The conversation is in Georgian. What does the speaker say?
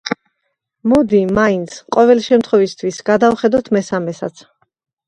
მოდი, მაინც, ყოველი შემთხვევისთვის, გადავხედოთ მესამესაც.